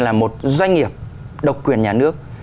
là một doanh nghiệp độc quyền nhà nước